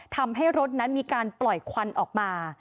ทำให้รถนั้นมีการปล่อยควันออกมา